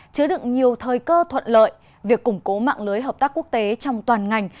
chứa đựng nhiều thời cơ thuận lợi việc củng cố mạng lưới hợp tác quốc tế trong toàn ngành